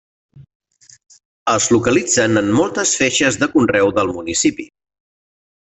Es localitzen en moltes feixes de conreu del municipi.